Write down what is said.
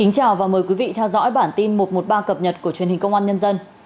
chào mừng quý vị đến với bản tin một trăm một mươi ba cập nhật của truyền hình công an nhân dân